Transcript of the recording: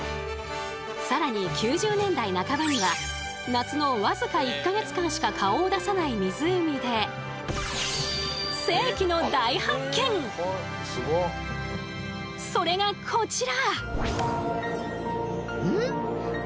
更に９０年代半ばには夏の僅か１か月間しか顔を出さない湖でそれがこちら！